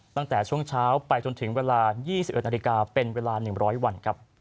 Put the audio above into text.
ตั้งแต่ช่วงเช้าไปจนถึงเวลา๒๑นาฬิกาเป็นเวลา๑๐๐วัน